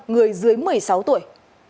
người dưới một mươi sáu tuổi